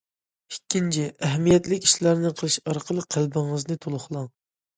ئىككىنچى، ئەھمىيەتلىك ئىشلارنى قىلىش ئارقىلىق قەلبىڭىزنى تولۇقلاڭ.